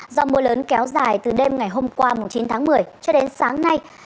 do mưa lớn kéo dài từ đêm ngày hôm qua chín tháng một mươi cho đến sáng nay